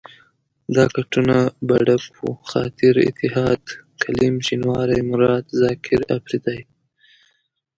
دا کټونه به ډک وو، خاطر، اتحاد، کلیم شینواری، مراد، زاکر اپرېدی.